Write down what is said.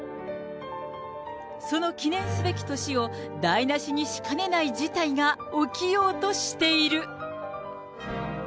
その記念すべき年を、台無しにしかねない事態が起きようとしている。